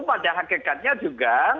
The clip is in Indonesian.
pada hakikatnya juga